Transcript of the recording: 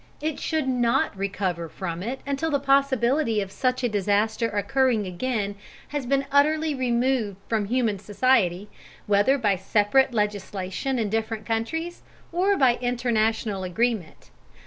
It should not recover from it until the possibility of such a disaster occurring again has been utterly removed from human society, whether by separate legislation in different countries or by international agreement.